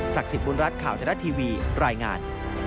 ศักดิ์ศิษย์บุญรัฐข่าวจรรย์ทีวีรายงาน